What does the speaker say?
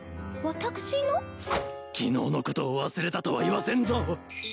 昨日のことを忘れたとは言わせんぞ！